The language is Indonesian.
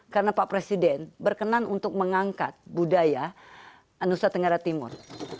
karena pak presiden berkenan untuk mengangkat budaya nusa tenggara timur